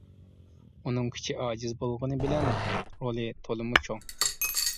ئۇنىڭ كۈچى ئاجىز بولغىنى بىلەن، رولى تولىمۇ چوڭ.